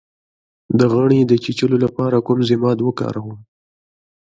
د غڼې د چیچلو لپاره کوم ضماد وکاروم؟